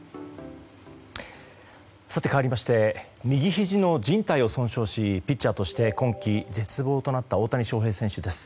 かわりまして右ひじのじん帯を損傷しピッチャーとして今季絶望となった大谷翔平選手です。